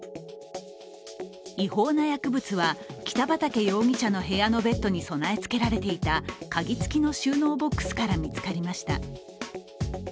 違法な薬物は、北畠容疑者の部屋のベッドに備え付けられていた鍵付きの収納ボックスから見つかりました。